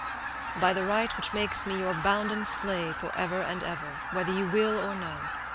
"By the right which makes me your bounden slave forever and ever, whether you will or no.